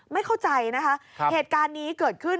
ไม่เข้าใจนะคะเหตุการณ์นี้เกิดขึ้น